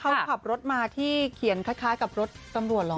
เดี๋ยวนั้นเขาขับรถมาที่เขียนคล้ายกับรถกำรวจหรอ